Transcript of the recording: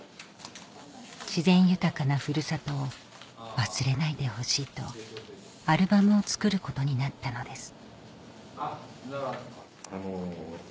自然豊かなふるさとを忘れないでほしいとアルバムを作ることになったのです